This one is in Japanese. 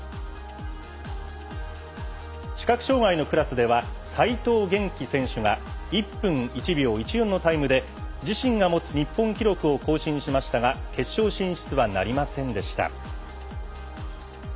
視覚障がいのクラスでは齋藤元希選手が１分１秒１４のタイムで自身が持つ日本記録を更新しましたが決勝進出はなりませんでした。